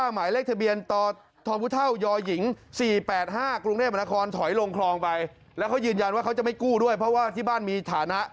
หรือจริงแล้วเขาคือท่านประธานบริษัท